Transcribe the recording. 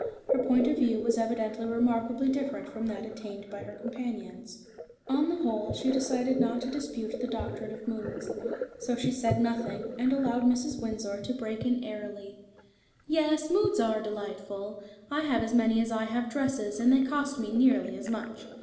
Her point of view was evidently remarkably different from that attained by her companions. On the whole, she decided not to dispute the doctrine of moods. So she said nothing, and allowed Mrs. Windsor to break in airily "Yes, moods are delightful. I have as many as I have dresses, and they cost me nearly as much.